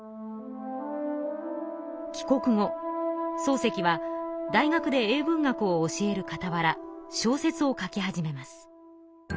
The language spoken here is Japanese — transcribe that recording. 帰国後漱石は大学で英文学を教えるかたわら小説を書き始めます。